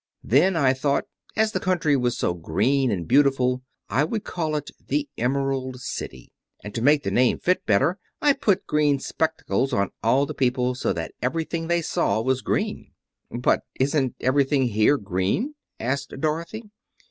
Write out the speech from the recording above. Then I thought, as the country was so green and beautiful, I would call it the Emerald City; and to make the name fit better I put green spectacles on all the people, so that everything they saw was green." "But isn't everything here green?" asked Dorothy.